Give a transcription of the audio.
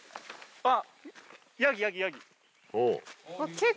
あっ。